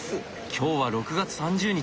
今日は６月３０日。